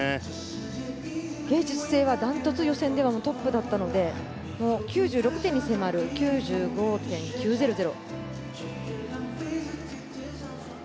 芸術性は断トツ予選ではトップだったので９６点に迫る９５．９００。